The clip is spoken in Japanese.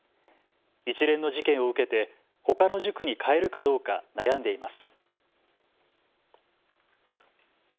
一連の事件を受けて、ほかの塾に変えるかどうか悩んでいます。